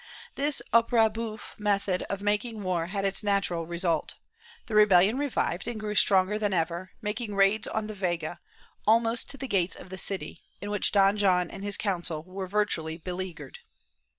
This opera houffe method of making war had its natural result. The rebellion revived and grew stronger than ever, making raids on the Vega, almost to the gates of the city, in which Don John and his council were virtually beleaguered.